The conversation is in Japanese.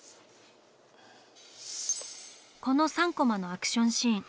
この３コマのアクションシーン